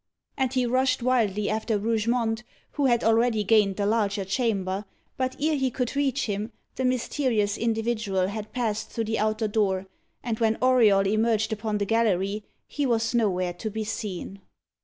And he rushed wildly after Rougemont, who had already gained the larger chamber; but, ere he could reach him, the mysterious individual had passed through the outer door, and when Auriol emerged upon the gallery, he was nowhere to be seen.